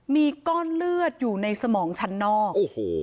มีก้อนเลือดอยู่ในสมองชั้นนอก